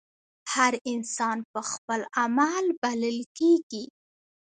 هر انسان پۀ خپل عمل بللے کيږي